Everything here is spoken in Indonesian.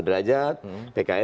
gerindra mengajukan usul